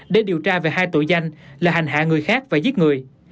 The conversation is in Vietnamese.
để điều tra về hai tội danh là hành hạ người khác và giết người